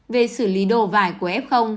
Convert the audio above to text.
về xử lý đồ vải của f